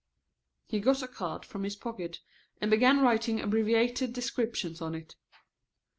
He got a card from his pocket and began writing abbreviated descriptions on it.